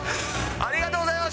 ありがとうございます。